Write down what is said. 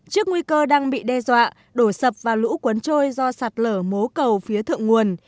trước nguy cơ đang bị đe dọa đổ sập và lũ cuốn trôi do sạt lở mố cầu phía thượng nguồn